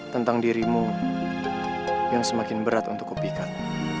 tentang dirimu yang semakin berat untuk kebaikan